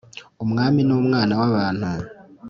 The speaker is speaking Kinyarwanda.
umwami n’umwana wa bantu